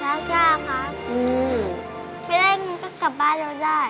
ไม่ได้กินก็กลับบ้านเราได้